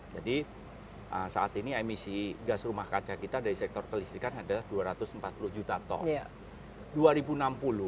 jadi saat ini emisi gas rumah kaca kita dari sektor pelistirkan ada dua ratus empat puluh juta ton